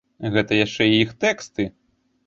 Гэта яшчэ і іх тэксты.